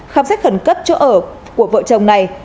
khám xét khẩn cấp chỗ ở của vợ chồng này